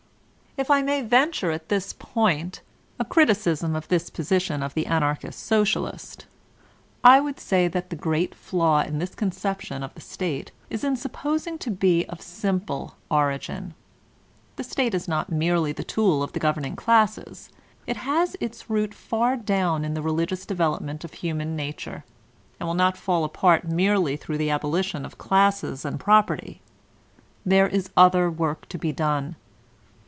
If I may venture, at this point, a criticism of this posi tion of the Anarchist Socialist, I would say that the great flaw in this conception of the State is in supposing it to be of simple origin ; the State is not merely the tool of the governing classes ; it has its root far down in the religious development of human nature; ;md will not fall apart merely through the abolition of classes and property. There is other work to be done.